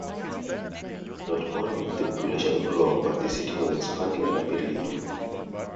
Not only did the population grow, but the city was expanding rapidly too.